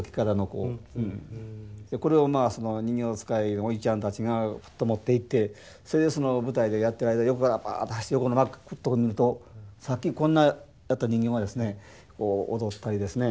これを人形遣いのおいちゃんたちがふっと持っていってそれで舞台でやってる間横からぱっと走って横の幕くっと見るとさっきこんなやった人形がですね踊ったりですね